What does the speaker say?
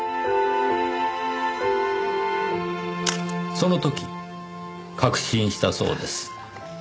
その時確信したそうです。